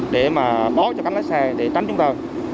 để mà bó cho các lái xe để tránh chúng ta